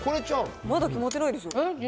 まだ終わってないですよ。